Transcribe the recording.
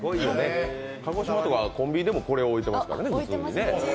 鹿児島とかコンビニでもこれ置いてありますからね。